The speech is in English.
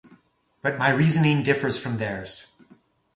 But my reasoning differs from theirs.